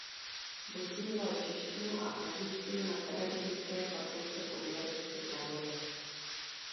Vystudoval češtinu a angličtinu na Pedagogické fakultě Univerzity Karlovy.